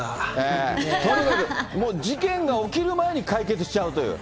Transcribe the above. とにかく、もう、事件が起きる前に解決しちゃうという。